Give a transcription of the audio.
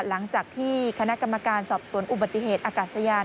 หลังจากที่คณะกรรมการสอบสวนอุบัติเหตุอากาศยาน